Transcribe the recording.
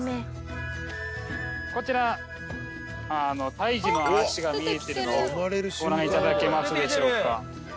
こちら胎児の脚が見えてるのご覧いただけますでしょうか。